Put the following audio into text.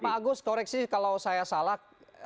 pak agus koreksi kalau saya salah